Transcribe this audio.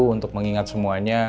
untuk mengingat semuanya